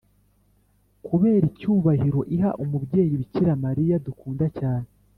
kubera icyubahiro iha umubyeyi bikira mariya dukunda cyane